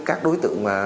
các đối tượng